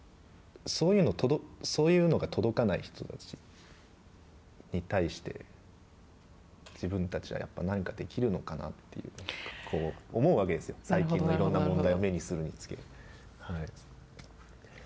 だから、そこにそういうのが届かない人たちに対して自分たちは、やっぱり何ができるのかなという思うわけですよ最近のいろんな問題を目にするにつけ。